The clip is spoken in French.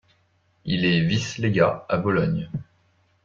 Il est vice-légat à Bologne.